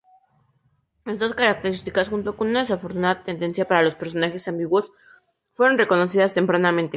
Estas características, junto con una desafortunada tendencia para los personajes ambiguos, fueron reconocidas tempranamente.